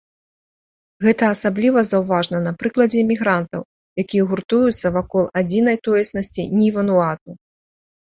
Гэта асабліва заўважна на прыкладзе эмігрантаў, якія гуртуюцца вакол адзінай тоеснасці ні-вануату.